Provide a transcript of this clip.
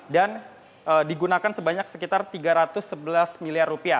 dan digunakan sebanyak sekitar rp tiga ratus sebelas miliar